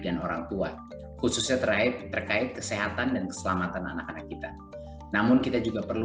dan orang tua khususnya terkait kesehatan dan keselamatan anak anak kita namun kita juga perlu